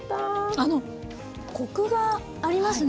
あのコクがありますね